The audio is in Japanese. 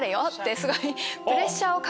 すごい。